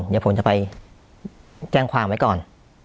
เดี๋ยวผมจะไปแจ้งความไว้ก่อน